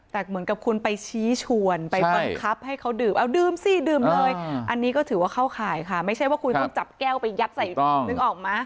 แต่เหมือนกับคุณไปชี้ชวนไปบังคับให้เขาดื่มเอาดื่มสิดื่มเลยอันนี้ก็ถือว่าเข้าข่ายค่ะไม่ใช่ว่าคุณต้องจับแก้วไปยัดใส่นึกออกไหม